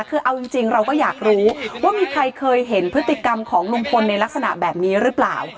คือเอาจริงเราก็อยากรู้ว่ามีใครเคยเห็นพฤติกรรมของลุงพลในลักษณะแบบนี้หรือเปล่า